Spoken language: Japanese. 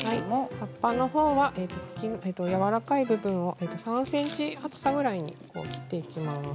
葉っぱのほうはやわらかい部分を３ｃｍ厚さのぐらいで切っていきます。